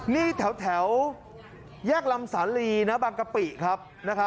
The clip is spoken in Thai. นี่แถวแยกลำสาลีนะบางกะปิครับ